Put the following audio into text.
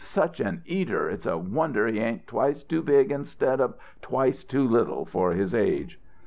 Such an eater, it's a wonder he ain't twice too big instead of twice too little for his age."